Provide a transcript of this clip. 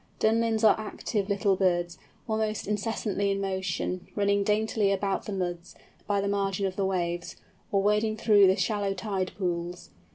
Dunlins are active little birds, almost incessantly in motion, running daintily about the muds, by the margin of the waves, or wading through the shallow tide pools.